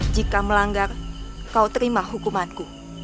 jika melanggar kau terima hukumanku